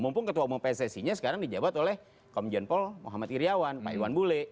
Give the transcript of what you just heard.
mumpung ketua umum pssi nya sekarang dijabat oleh komjen paul muhammad iryawan pak iwan bule